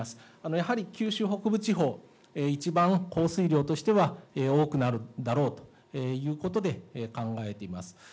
やはり九州北部地方、一番降水量としては多くなるだろうということで、考えています。